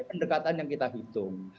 pendekatan yang kita hitung